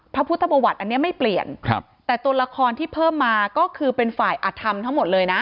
พระพุทธประวัติอันนี้ไม่เปลี่ยนครับแต่ตัวละครที่เพิ่มมาก็คือเป็นฝ่ายอธรรมทั้งหมดเลยนะ